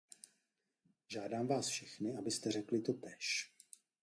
Žádám vás všechny, abyste řekli totéž.